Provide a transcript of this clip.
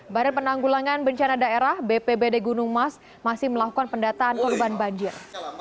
badan penanggulangan bencana daerah bpbd gunung mas masih melakukan pendataan korban banjir